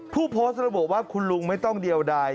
ผู้โพสต์แล้วบอกว่าคุณลุงไม่ต้องเดียวดาย